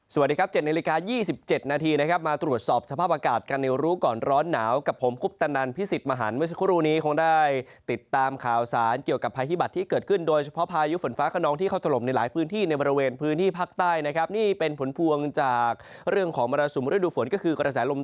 สวัสดีครับ๗นาฬิกา๒๗นาทีนะครับมาตรวจสอบสภาพอากาศกันในรู้ก่อนร้อนหนาวกับผมคุปตนันพิสิทธิ์มหันเมื่อสักครู่นี้คงได้ติดตามข่าวสารเกี่ยวกับภัยพิบัตรที่เกิดขึ้นโดยเฉพาะพายุฝนฟ้าขนองที่เข้าถล่มในหลายพื้นที่ในบริเวณพื้นที่ภาคใต้นะครับนี่เป็นผลพวงจากเรื่องของมรสุมฤดูฝนก็คือกระแสลม